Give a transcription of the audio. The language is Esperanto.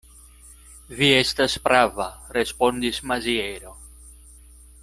Vi estas prava, respondis Maziero.